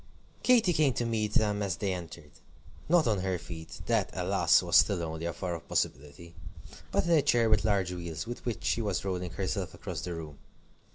Katy came to meet them as they entered. Not on her feet: that, alas! was still only a far off possibility; but in a chair with large wheels, with which she was rolling herself across the room.